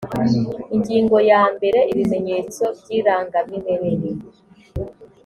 ingingo ya mbere ibimenyetso by irangamimerere